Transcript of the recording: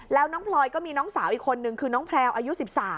แล้วน้องพลอยก็มีน้องสาวอีกคนนึงคือน้องแพลวอายุ๑๓